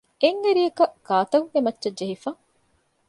އެއް އަރިއަކަށް ގާތަކުގެ މައްޗަށް ޖެހިފަ